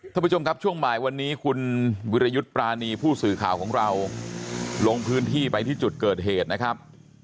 ท่านผู้ชมครับช่วงบ่ายวันนี้คุณวิรยุทธ์ปรานีผู้สื่อข่าวของเราลงพื้นที่ไปที่จุดเกิดเหตุนะครับ